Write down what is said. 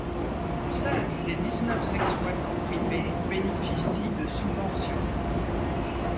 Seize des dix-neuf exploitants privés bénéficient de subventions.